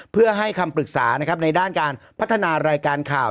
เพื่อให้คำปรึกษาในด้านการพัฒนารายการข่าว